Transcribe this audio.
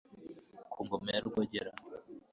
ku ngoma ya rwogera